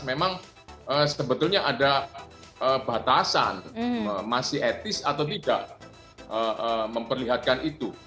memang sebetulnya ada batasan masih etis atau tidak memperlihatkan itu